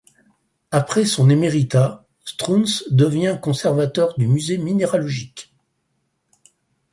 Après son éméritat, Strunz devint conservateur du musée minéralogique.